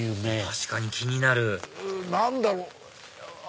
確かに気になる何だろう？